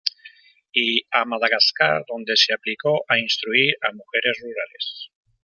Y a Madagascar, donde se aplicó a instruir a mujeres rurales.